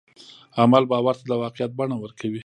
عمل باور ته د واقعیت بڼه ورکوي.